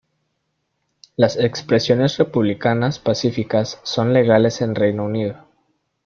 Las expresiones republicanas pacíficas son legales en Reino Unido.